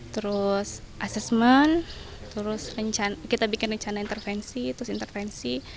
terus asesmen terus kita bikin rencana intervensi terus intervensi